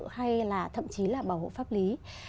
hay là thậm chí là bảo hộ pháp lý